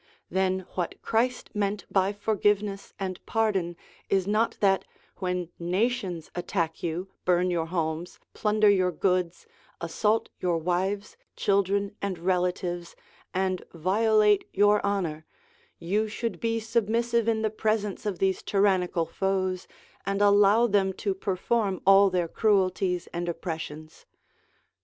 Then what Christ meant by forgiveness and pardon is not that, when nations attack you, burn your homes, plunder your goods, assault your wives, children, and relatives, and violate your honour, you should be submissive in the presence of these tyrannical foes, and allow them to perform all their cruelties and oppressions.